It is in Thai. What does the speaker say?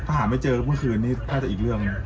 ผ่านไม่เจอลงคือนี้น่าจะอีกเรื่อง